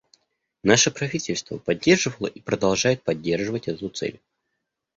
Наше правительство поддерживало и продолжает поддерживать эту цель.